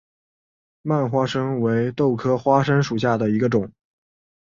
蔓花生为豆科花生属下的一个种。